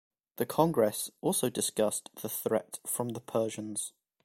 The Congress also discussed the threat from the Persians.